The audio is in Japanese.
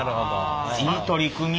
いい取り組み。